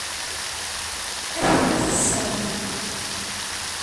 Ad tent-tesseɣlim.